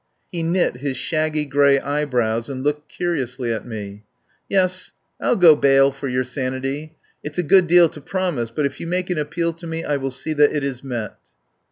He knit his shaggy grey eyebrows and looked curiously at me. "Yes, I'll go bail for your sanity. It's a good deal to promise, but if you make an appeal to me I will see that it is met."